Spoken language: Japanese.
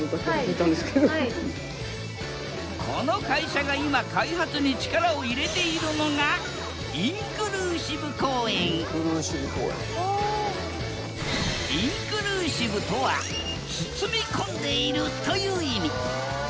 この会社が今開発に力を入れているのがインクルーシブとは「包み込んでいる」という意味。